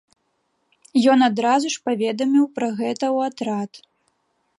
Ён адразу ж паведаміў пра гэта ў атрад.